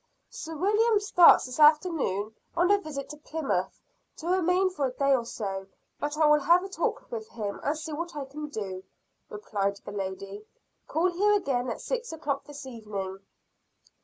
"Sir William starts this afternoon on a visit to Plymouth, to remain for a day or so; but I will have a talk with him, and see what I can do," replied the lady. "Call here again at six o'clock this evening."